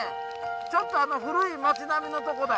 ちょっと古い町並みのとこだ。